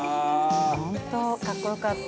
ほんとかっこよかった。